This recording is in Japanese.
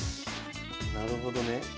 なるほどね。